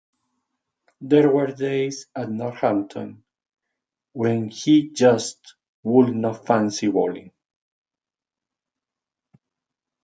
There were days at Northampton when he just would not fancy bowling.